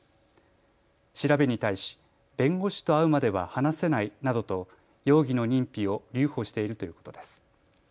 調べに対し弁護士と会うまでは話せないなどと容疑の認否を留保しているということです。